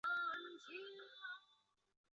此出入口只设北行入口与南行出口。